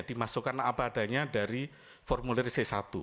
dimasukkan apa adanya dari formulir c satu